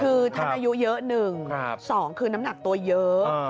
คือท่านอายุเยอะหนึ่งครับสองคือน้ำหนักตัวเยอะอ่า